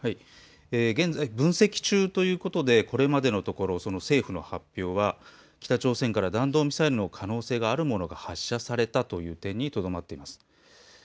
現在、分析中ということでこれまでのところ政府の発表は北朝鮮から弾道ミサイルの可能性があるものが発射されたという点にとどまっています。